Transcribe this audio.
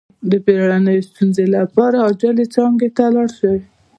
د بیړنیو ستونزو لپاره د عاجل څانګې ته لاړ شئ